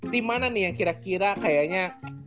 di mana nih yang kira kira kayaknya